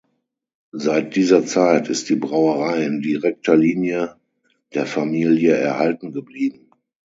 Seit dieser Zeit ist die Brauerei in direkter Linie der Familie erhalten geblieben.